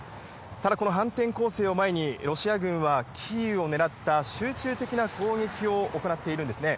ただ、この反転攻勢を前に、ロシア軍はキーウを狙った集中的な攻撃を行っているんですね。